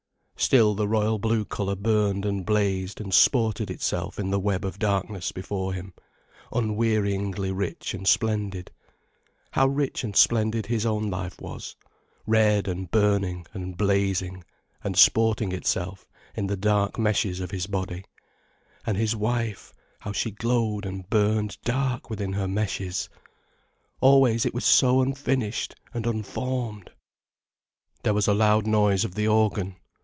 Still the royal blue colour burned and blazed and sported itself in the web of darkness before him, unwearyingly rich and splendid. How rich and splendid his own life was, red and burning and blazing and sporting itself in the dark meshes of his body: and his wife, how she glowed and burned dark within her meshes! Always it was so unfinished and unformed! There was a loud noise of the organ.